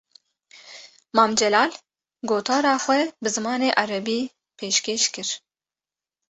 Mam Celal, gotara xwe bi zimanê Erebî pêşkêş kir